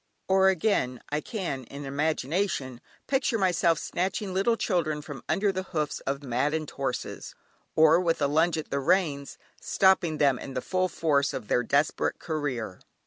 Or again, I can in imagination picture myself snatching little children from under the hoofs of maddened horses, or with a plunge at the reins, stopping them in the full force of their desperate career.